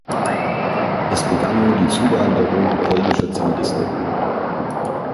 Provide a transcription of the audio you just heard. Es begann nun die Zuwanderung polnischer Zivilisten.